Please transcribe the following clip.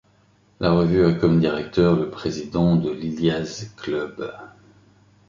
La revue a comme directeur le président de l'Iliazd-Club.